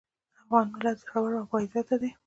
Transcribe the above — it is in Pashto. افغان ملت زړور او باعزته دی.